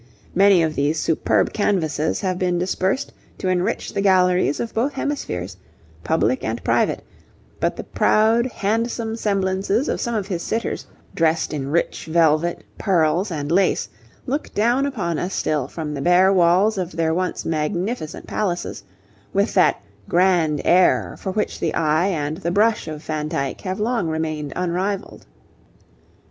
Many of these superb canvases have been dispersed to enrich the galleries of both hemispheres, public and private; but the proud, handsome semblances of some of his sitters, dressed in rich velvet, pearls, and lace, look down upon us still from the bare walls of their once magnificent palaces, with that 'grand air' for which the eye and the brush of Van Dyck have long remained unrivalled.